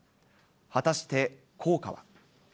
果たして、効果は？